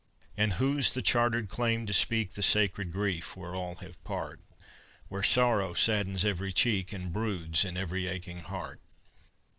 And whose the chartered claim to speak The sacred grief where all have part, Where sorrow saddens every cheek And broods in every aching heart?